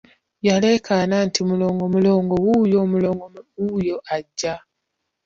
Yaleekaana nti, Mulongo, Mulongo wuuyo, Mulongo wuuyo ajja!